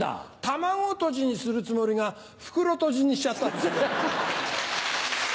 卵とじにするつもりが袋とじにしちゃったんですよ。